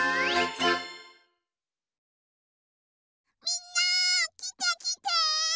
みんなきてきて！